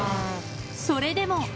それでも。